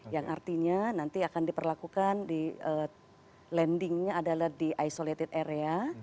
yang artinya nanti akan diperlakukan di landingnya adalah di isolated area